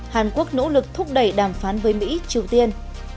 hàn quốc nỗ lực thúc đẩy đàm phán với mỹ triều tiên